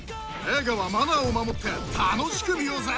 映画はマナーを守って楽しく見ようぜ！